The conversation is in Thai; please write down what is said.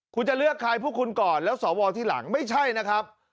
คุณจะเลือกใครพวกคุณก่อนแล้วสวที่หลังไม่ใช่นะครับ